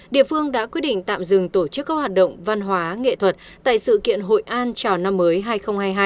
địa phương đã quyết định tạm dừng tổ chức các hoạt động văn hóa nghệ thuật tại sự kiện hội an chào năm mới hai nghìn hai mươi hai